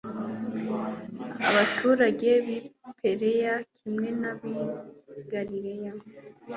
Abaturage b'i Pereya kimwe n'ab'i Galilaya,